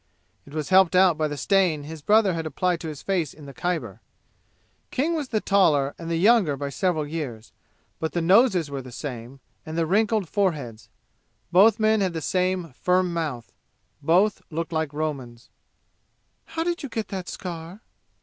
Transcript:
It was helped out by the stain his brother had applied to his face in the Khyber. King was the taller and the younger by several years, but the noses were the same, and the wrinkled fore heads; both men had the same firm mouth; both looked like Romans. "How did you get that scar?"